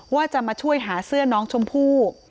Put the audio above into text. ว่าจะมาช่วยหาเสื้อน้องชมพู่